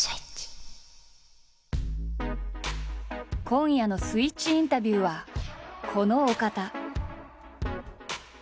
今夜の「ＳＷＩＴＣＨインタビュー」はこのお方。